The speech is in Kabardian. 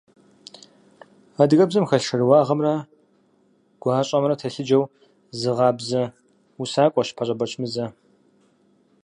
Адыгэбзэм хэлъ шэрыуагъэмрэ гуащӀэмрэ телъыджэу зыгъабзэ усакӀуэщ ПащӀэ Бэчмырзэ.